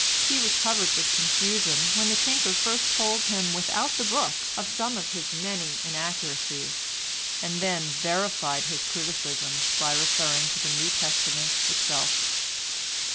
He was covered with confusion when the tinker first told him without the book of some of his many inaccuracies, and then verified his criticisms by referring to the New Testament itself.